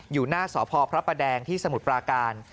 อยู่หน้าสพพระประแดงที่สมุทรปราการ